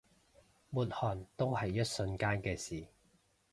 抹汗都係一瞬間嘅事